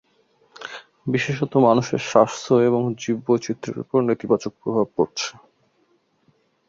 বিশেষত মানুষের স্বাস্থ্য এবং জীববৈচিত্র্যের ওপর নেতিবাচক প্রভাব পড়ছে।